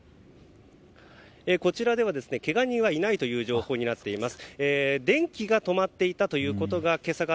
こちらでは、けが人はいないという情報になっています。